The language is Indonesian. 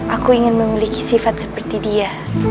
aku ingin memiliki sifat seperti dia